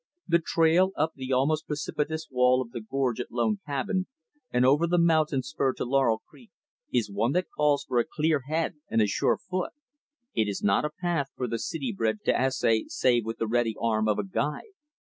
The trail up the almost precipitous wall of the gorge at Lone Cabin, and over the mountain spur to Laurel Creek, is one that calls for a clear head and a sure foot. It is not a path for the city bred to essay, save with the ready arm of a guide.